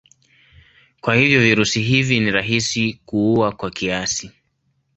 Kwa hivyo virusi hivi ni rahisi kuua kwa kiasi.